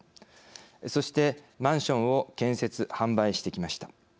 そして、マンションを建設・販売してきました。